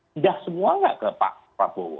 sudah semua gak ke pak prabowo